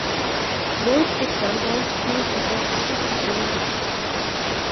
Both examples close the active window.